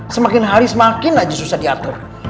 semakin hari semakin aja susah diatur